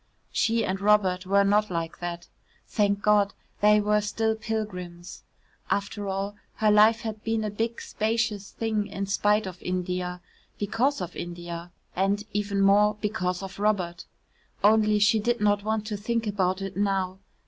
She and Robert were not like that. Thank God, they were still pilgrims. After all, her life had been a big spacious thing in spite of India, because of India and, even more, because of Robert. Only she did not want to think about it now.